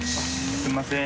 すいません。